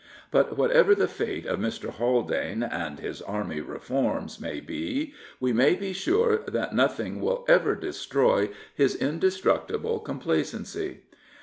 But whatever the fate of Mr. Haldane and his Army reforms may be, we may be sure that nothing will ever destroy his indestructible complacency.